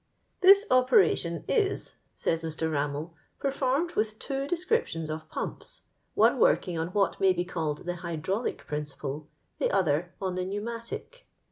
" This operation is,* says Mr. Rnmmell, " i)erformed with two descriptions of pumps, one working on what may be called the hydraulic principle, the other on the pneumatic.